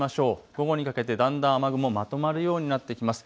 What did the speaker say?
午後にかけてだんだん雨雲、まとまるようになってきます。